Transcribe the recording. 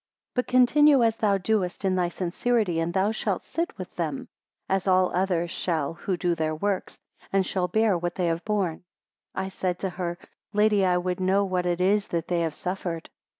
16 But continue as thou doest, in thy sincerity, and thou shalt sit with them; as all others shall, who do their works, and shall bear what they have borne. 17 I said to her; Lady, I would know what it is that they have suffered?